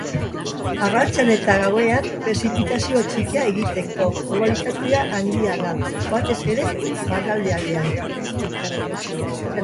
Arratsaldean eta gauean prezipitazio txikia egiteko probabilitatea handia da, batez ere barnealdean.